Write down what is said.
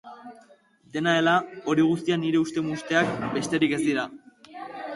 Dena dela, hori guztia nire uste-musteak besterik ez dira.